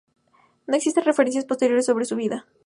No existen referencias posteriores sobre su vida.